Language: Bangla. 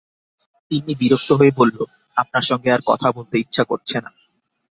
তিন্নি বিরক্ত হয়ে বলল, আপনার সঙ্গে আর কথা বলতে ইচ্ছা করছে না।